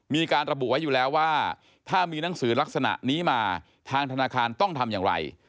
มีการระบุไว้อยู่แล้วว่าถ้ามีหนังสือลักษณะนี้มาทางธนาคารต้องทำอย่างไร